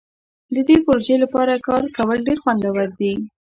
د دې پروژې لپاره کار کول ډیر خوندور دي.